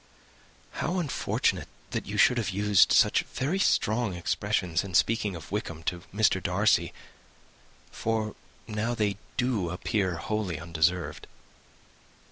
"How unfortunate that you should have used such very strong expressions in speaking of Wickham to Mr. Darcy, for now they do appear wholly undeserved."